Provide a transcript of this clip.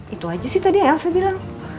itu aja sih tadi elsa bilang